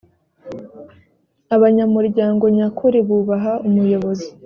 abanyamuryango nyakuri bubaha umuyobozi .